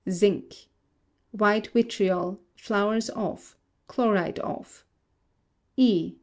Zinc. (White vitriol; flowers of; chloride of.) E.